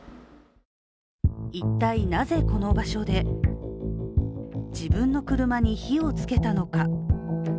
一体、なぜこの場所で自分の車に火をつけたのか。